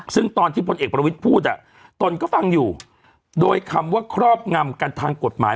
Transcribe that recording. ซึ่งตอนที่พลเอกประวิทย์พูดตนก็ฟังอยู่โดยคำว่าครอบงำกันทางกฎหมาย